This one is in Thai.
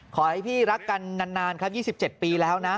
ขอให้พี่รักกันนานครับ๒๗ปีแล้วนะ